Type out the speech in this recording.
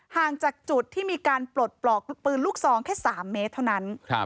ห่างจากจุดที่มีการปลดปลอกปืนลูกซองแค่๓เมตรเท่านั้น